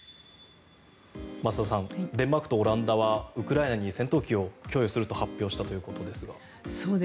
増田さん、デンマークとオランダはウクライナに戦闘機を供与すると発表したということですが。